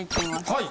はい。